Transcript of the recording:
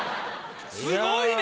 すごいね！